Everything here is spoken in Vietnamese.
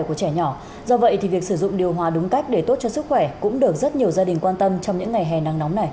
chính vì vậy việc sử dụng điều hòa đúng cách sẽ có lợi cho sức khỏe của trẻ nhỏ